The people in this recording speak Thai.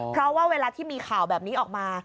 เพราะว่าเวลาที่มีข่าวแบบนี้ออกมา